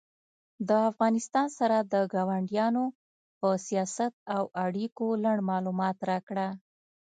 د افغانستان سره د کاونډیانو په سیاست او اړیکو لنډ معلومات راکړه